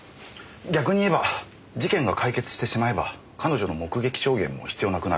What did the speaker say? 逆に言えば事件が解決してしまえば彼女の目撃証言も必要なくなる。